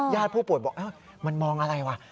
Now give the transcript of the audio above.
ผู้ป่วยบอกมันมองอะไรวะ